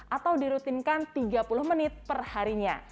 atau dirutinkan tiga puluh menit per harinya